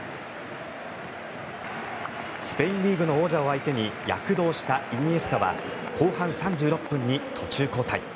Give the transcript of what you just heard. スペインリーグの王者を相手に躍動したイニエスタは後半３６分に途中交代。